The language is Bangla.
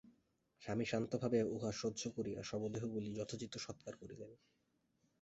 স্বামী শান্তভাবে উহা সহ্য করিয়া শবদেহগুলি যথোচিত সৎকার করিলেন।